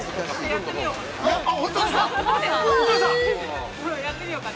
◆やってみようかな。